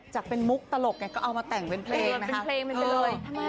จากเป็นมุกตลกก็เอามาแต่งเป็นเพลงนะฮะ